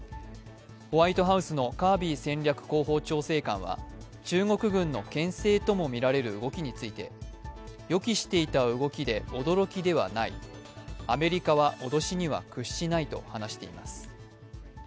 ホワイトハウスのカービー戦略広報調整官は中国軍のけん制ともみられる動きについて予期していた動きで驚きではない、アメリカは脅しには屈しないと話しています。